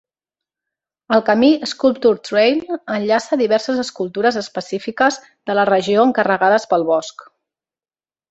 El camí Sculpture Trail enllaça diverses escultures específiques de la regió encarregades pel bosc.